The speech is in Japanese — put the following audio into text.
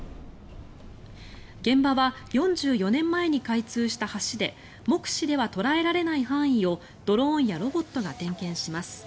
現場は４４年前に開通した橋で目視では捉えられない範囲をドローンやロボットが点検します。